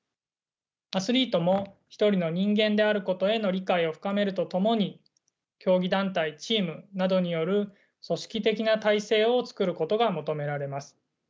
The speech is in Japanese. アスリートも一人の人間であることへの理解を深めるとともに競技団体チームなどによる組織的な体制を作ることが求められます。